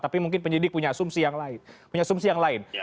tapi mungkin penyidik punya asumsi yang lain